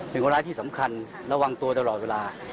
เป็นคนร้ายที่สำคัญระวังตัวตลอดเวลา